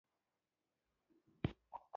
• ساعت د حافظې انځور دی.